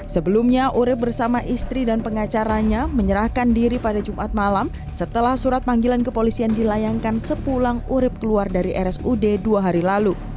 sebelumnya urib bersama istri dan pengacaranya menyerahkan diri pada jumat malam setelah surat panggilan kepolisian dilayangkan sepulang urib keluar dari rsud dua hari lalu